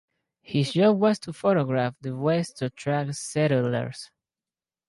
His job was to photograph the West to attract settlers.